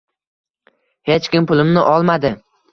Hech kim pulimni olmadi.